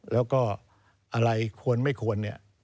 แล้วก็อะไรควรไม่ควร